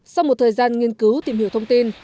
sau một thời gian nghiên cứu tìm hiểu thông tin